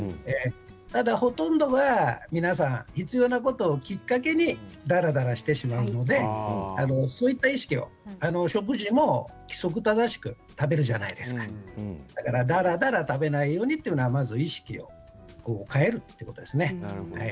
ただほとんどが皆さん必要なことをきっかけにだらだらしてしまうのでそういった意識を食事も規則正しく食べるじゃないですかだらだら食べないようにという意識を変えるということですね。